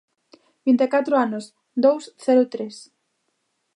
Vinte e catro anos, dous cero tres.